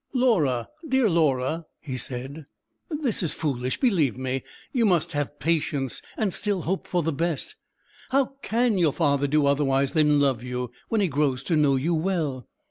"Laura, dear Laura," he said, "this is foolish, believe me. You must have patience, and still hope for the best. How can your father do otherwise than love you, when he grows to know you well?